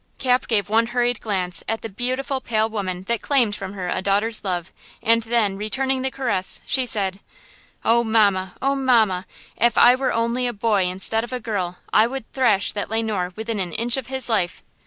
Cap gave one hurried glance at the beautiful pale woman that claimed from her a daughter's love and then, returning the caress, she said: "Oh, mamma! Oh, mamma! If I were only a boy instead of a girl, I would thrash that Le Noir within an inch of his life!